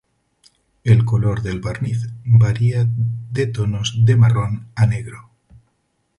El color del barniz varía de tonos de marrón a negro.